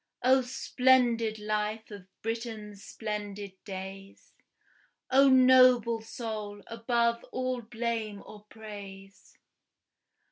O splendid life of Britain's splendid days! O noble soul, above all blame or praise!